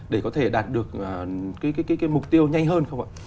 để có thể đạt được cái mục tiêu nhanh hơn không ạ